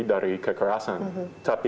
dari kekerasan tapi